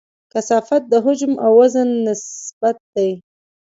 کثافت د حجم او وزن نسبت دی.